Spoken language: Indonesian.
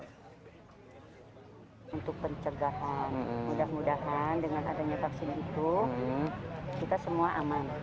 untuk pencegahan mudah mudahan dengan adanya vaksin itu kita semua aman